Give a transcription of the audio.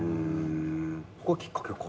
そこきっかけか。